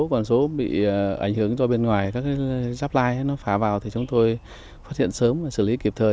còn số bị ảnh hưởng cho bên ngoài các rắp lai nó phá vào thì chúng tôi phát hiện sớm và xử lý kịp thời